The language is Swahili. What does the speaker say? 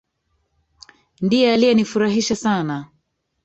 Ndiye aliyenifurahisha Sana.